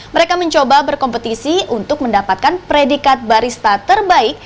mereka mencoba berkompetisi untuk mendapatkan predikat barista terbaik